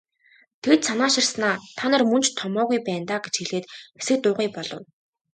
Тэгж санааширснаа "Та нар мөн ч томоогүй байна даа" гэж хэлээд хэсэг дуугүй болов.